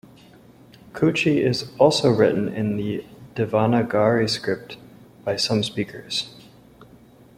Kutchi is also written in the Devanagari script by some speakers.